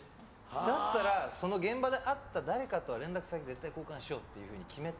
だったらその現場で会った誰かとは連絡先絶対交換しようっていうふうに決めて。